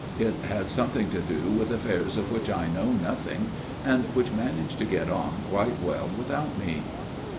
It has something to do with affairs of which I know nothing, and which manage to get on quite well without me."